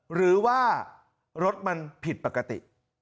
หรือว่ารถมันผิดปกติ